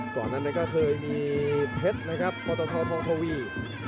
ตอนนั้นก็เคยมีเทศนะครับประตาธรทองทวี